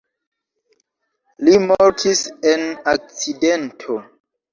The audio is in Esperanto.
Li mortis en akcidento.